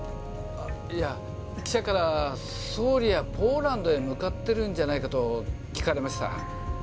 いや、記者から総理はポーランドへ向かってるんじゃないかと、聞かれました。